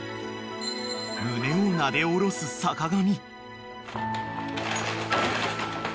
［胸をなで下ろす坂上］